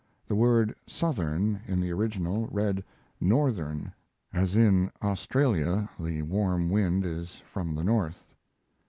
The word "southern" in the original read "northern," as in Australia, the warm wind is from the north.